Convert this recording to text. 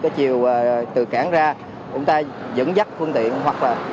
cái chiều từ cảng ra chúng ta dẫn dắt phương tiện hoặc là